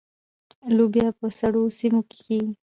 لوبیا په سړو سیمو کې کیږي.